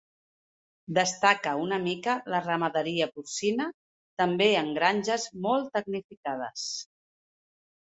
Destaca una mica la ramaderia porcina, també en granges molt tecnificades.